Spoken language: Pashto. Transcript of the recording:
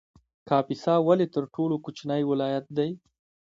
کاپیسا ولې تر ټولو کوچنی ولایت دی؟